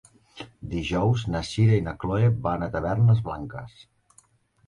Dijous na Sira i na Chloé van a Tavernes Blanques.